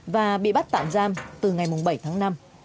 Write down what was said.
và bị bắt tạm giam từ ngày bảy tháng năm